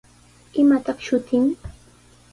¿Imataq shutin?